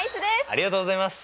ありがとうございます。